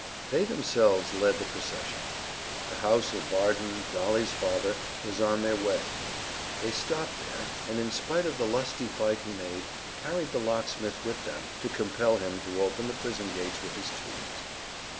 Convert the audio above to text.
They themselves led the procession. The house of Varden, Dolly's father, was on their way; they stopped there, and, in spite of the lusty fight he made, carried the locksmith with them to compel him to open the prison gates with his tools.